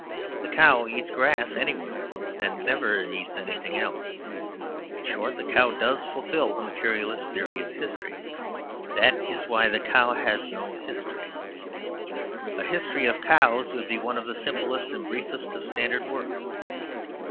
The cow eats grass anywhere and never eats anything else. In short, the cow does fulfill the materialist theory of history: that is why the cow has no history. "A History of Cows" would be one of the simplest and briefest of standard works.